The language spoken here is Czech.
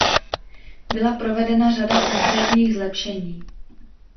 Byla provedena řada konkrétních zlepšení.